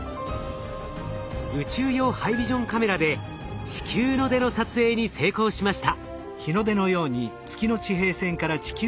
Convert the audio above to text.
宇宙用ハイビジョンカメラで「地球の出」の撮影に成功しました。